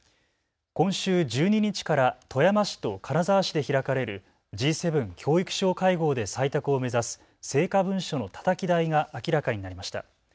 今週１２日から富山市と金沢市で開かれるＧ７教育相会合で採択を目指す成果文書のたたき台が明らかになりました。